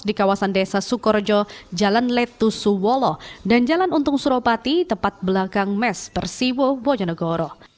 di kawasan desa sukorejo jalan letusuwolo dan jalan untung suropati tempat belakang mes persiwo bojonegoro